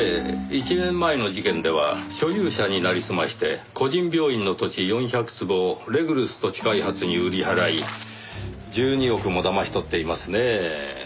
１年前の事件では所有者になりすまして個人病院の土地４００坪をレグルス土地開発に売り払い１２億もだまし取っていますねぇ。